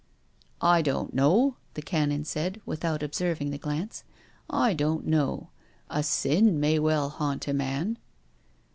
" I don't know," the Canon said, without ob serving the glance. " I don't know. A sin may well haunt a man."